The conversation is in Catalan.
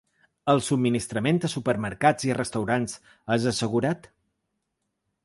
El subministrament a supermercats i restaurants és assegurat?